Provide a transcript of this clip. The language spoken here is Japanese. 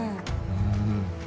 うん。